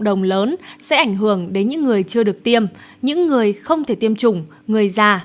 đồng lớn sẽ ảnh hưởng đến những người chưa được tiêm những người không thể tiêm chủng người già